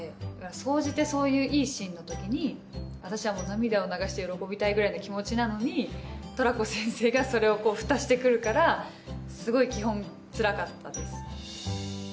総じてそういういいシーンの時に私は涙を流して喜びたいぐらいの気持ちなのにトラコ先生がそれをふたして来るからすごい基本つらかったです。